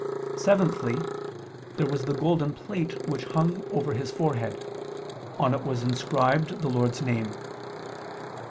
Seventhly, there was the golden plate which hung over his forehead; on it was inscribed the Lord's name.